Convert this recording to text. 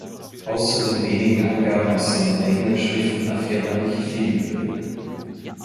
Außer den wenigen Angaben aus seinen eigenen Schriften erfährt man nicht viel über ihn.